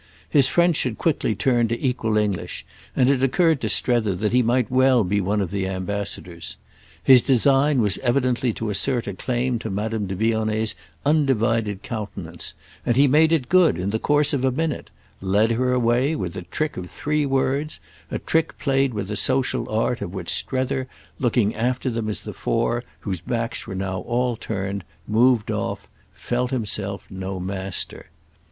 His French had quickly turned to equal English, and it occurred to Strether that he might well be one of the ambassadors. His design was evidently to assert a claim to Madame de Vionnet's undivided countenance, and he made it good in the course of a minute—led her away with a trick of three words; a trick played with a social art of which Strether, looking after them as the four, whose backs were now all turned, moved off, felt himself no master.